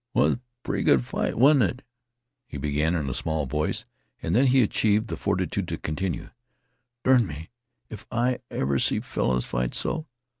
"Was pretty good fight, wa'n't it?" he began in a small voice, and then he achieved the fortitude to continue. "Dern me if I ever see fellers fight so.